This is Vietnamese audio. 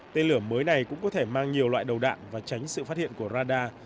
tên lửa mới này cũng có thể mang nhiều loại đầu đạn và tránh sự phát hiện của radar